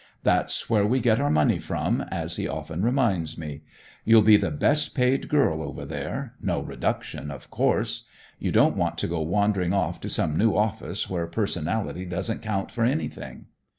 That's where we get our money from, as he often reminds me. You'll be the best paid girl over there; no reduction, of course. You don't want to go wandering off to some new office where personality doesn't count for anything."